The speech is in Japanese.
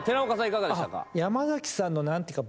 いかがでしたか？